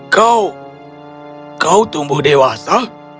kau kau tumbuh dewasa